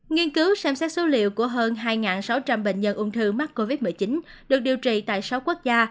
nghiên cứu xem xét số liệu của hơn hai sáu trăm linh bệnh nhân ung thư mắc covid một mươi chín được điều trị tại sáu quốc gia